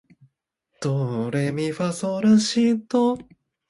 ドレミファソラシド